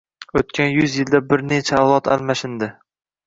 O‘tgan yuz yilda bir nechta avlod almashindi